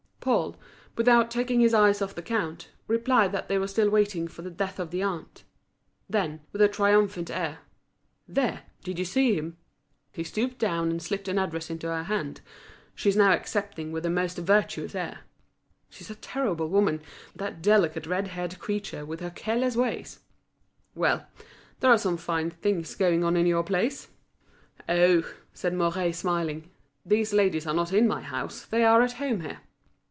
Paul, without taking his eyes off the count, replied that they were still waiting for the death of the aunt. Then, with a triumphant air: "There, did you see him? He stooped down, and slipped an address into her hand. She's now accepting with the most virtuous air. She's a terrible woman, that delicate red haired creature with her careless ways. Well! there are some fine things going on in your place!" "Oh!" said Mouret, smiling, "these ladies are not in my house, they are at home here."